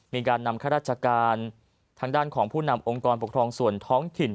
มีการนำข้าราชการทางด้านของผู้นำองค์กรปกครองส่วนท้องถิ่น